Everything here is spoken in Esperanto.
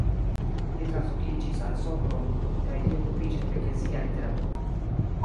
Li translokiĝis al Sopron kaj li okupiĝis pri eklezia literaturo.